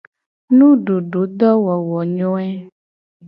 Nudududowowonyoe.